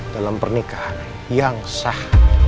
dalam pernikahan yang sah